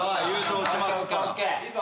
優勝しますから。